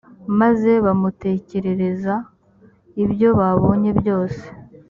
maze bamutekerereza ibyo babonye byose.